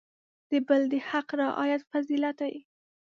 د بل د حق رعایت فضیلت دی.